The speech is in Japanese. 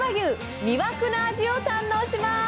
魅惑の味を堪能します！